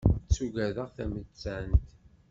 Ttaggadeɣ tamettant.